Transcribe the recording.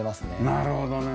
なるほどね。